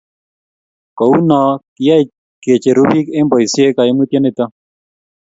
kou noe kiyai ke cheru biik eng' boisie kaimutie nito